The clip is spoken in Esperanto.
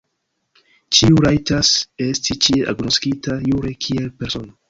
Ĉiu rajtas esti ĉie agnoskita jure kiel persono.